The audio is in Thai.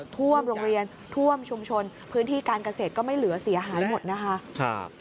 ท่วมโรงเรียนท่วมชุมชนพื้นที่การเกษตรก็ไม่เหลือเสียหายหมดนะคะ